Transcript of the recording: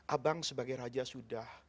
abang sebagai raja sudah